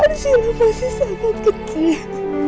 arsila masih sangat kecil